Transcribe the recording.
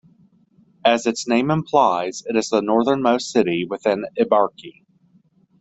As its name implies, it is the northernmost city within Ibaraki.